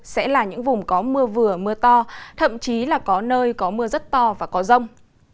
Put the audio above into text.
sẽ là những vùng có mưa vừa mưa to thậm chí là có nơi có mưa rất to và có rông